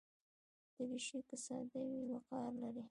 دریشي که ساده وي، وقار لري.